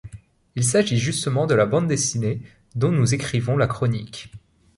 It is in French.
Il s'agit justement de la bande dessinée dont nous écrivons la chronique.